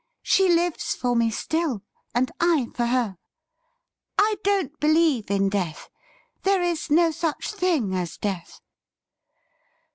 She lives for me still, and I for her. I don't believe in death. There is no such thing as death